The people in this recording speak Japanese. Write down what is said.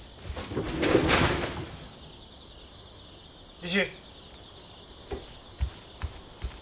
石。